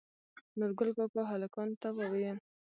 نورګل کاکا هلکانو ته وويل